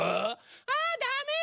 あダメよ